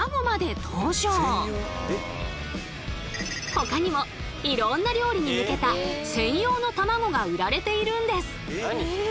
ほかにもいろんな料理に向けた専用のたまごが売られているんです。